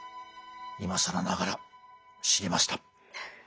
いまさらながら知りました。